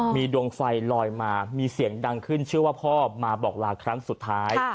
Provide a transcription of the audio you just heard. มีดวงไฟลอยมามีเสียงดังขึ้นชื่อว่าพ่อมาบอกลาครั้งสุดท้าย